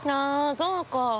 ◆そうか。